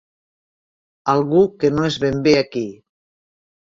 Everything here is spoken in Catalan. Algú que no és ben bé aquí.